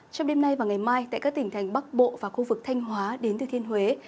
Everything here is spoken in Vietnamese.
trong đêm nay và ngày mai tại các tỉnh thành bắc bộ và khu vực thanh hóa đến từ thiên huế